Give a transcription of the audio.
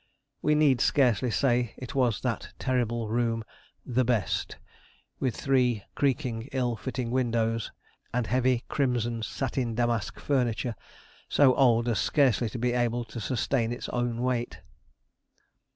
We need scarcely say it was that terrible room the best; with three creaking, ill fitting windows, and heavy crimson satin damask furniture, so old as scarcely to be able to sustain its own weight.